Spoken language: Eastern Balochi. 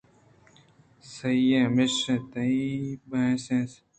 سی ئیں میش۔ تیں بھینسیں